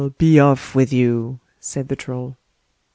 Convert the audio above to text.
be off with you", said the Troll.